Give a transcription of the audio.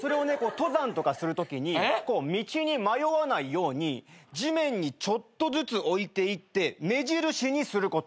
登山とかするときに道に迷わないように地面にちょっとずつ置いていって目印にすること。